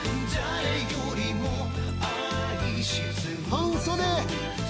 半袖！